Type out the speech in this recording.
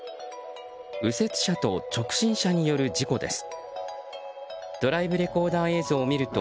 右折車と直進車による事故です。